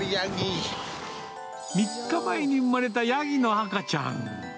３日前に産まれたヤギの赤ちゃん。